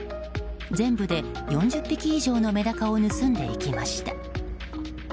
全部で４０匹以上のメダカを盗んでいきました。